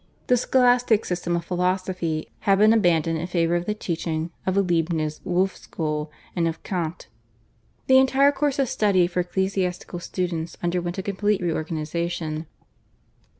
The Scholastic system of philosophy had been abandoned in favour of the teaching of the Leibniz Wolf school and of Kant. The entire course of study for ecclesiastical students underwent a complete reorganisation.